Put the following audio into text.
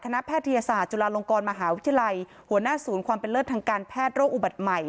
แพทยศาสตร์จุฬาลงกรมหาวิทยาลัยหัวหน้าศูนย์ความเป็นเลิศทางการแพทย์โรคอุบัติใหม่